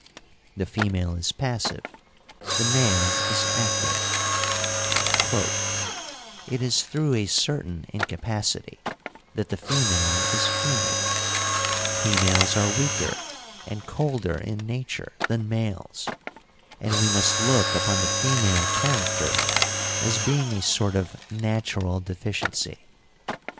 The female is passive, the male is active : It is through a certain incapacity that the female is female : females are weaker and colder in nature 216 FEMINISM IN GREEK LITERATURE than males, and we must look upon the female char acter as being a sort of natural deficiency.